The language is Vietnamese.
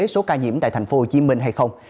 số ca nhiễm tại tp hcm hay không